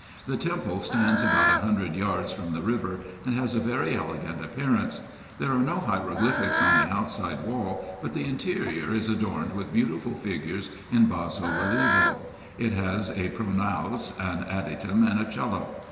The temple stands about a hundred yards from the river, and has a very elegant appearance. There are no hieroglyphics on the outside wall, but the interior is adorned with beautiful figures in basso relievo : it has a pronaos, an adytum, and a cella.